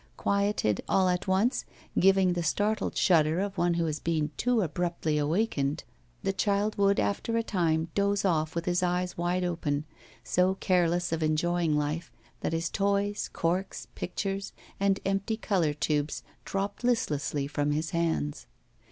Quieted all at once, giving the startled shudder of one who has been too abruptly awakened, the child would after a time doze off with his eyes wide open, so careless of enjoying life that his toys, corks, pictures, and empty colour tubes dropped listlessly from his hands.